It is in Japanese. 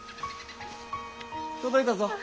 届いたぞ。